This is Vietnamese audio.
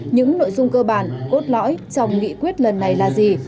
những nội dung cơ bản cốt lõi trong nghị quyết lần này là gì